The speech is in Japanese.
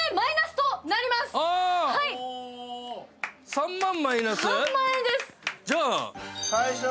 ３万マイナス？